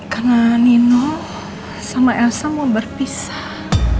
karena nino sama elsa mau berpisah